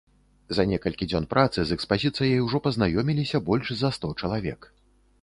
За некалькі дзён працы з экспазіцыяй ужо пазнаёміліся больш за сто чалавек.